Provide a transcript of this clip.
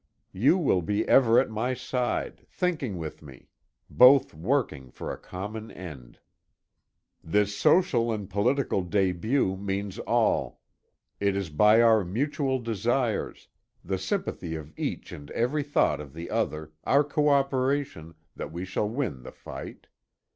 You will be ever at my side, thinking with me; both working for a common end. "This social and political debut means all. It is by our mutual desires the sympathy of each in every thought of the other our cooperation that we shall win the fight.